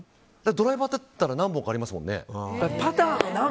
ドライバーだったら何本かありますもんね。